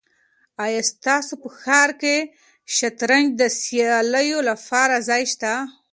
آیا ستاسو په ښار کې د شطرنج د سیالیو لپاره ځای شته؟